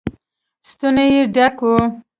ستونی يې ډک و.